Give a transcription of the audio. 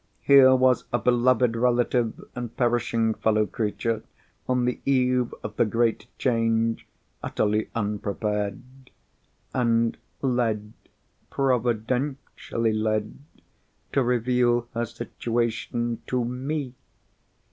Here was a beloved relative and perishing fellow creature, on the eve of the great change, utterly unprepared; and led, providentially led, to reveal her situation to Me!